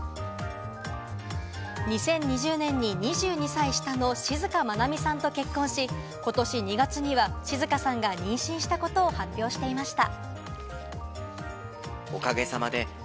２０２０年に２２歳下の静まなみさんと結婚し、ことし２月には静さんが妊娠したことを発表していました。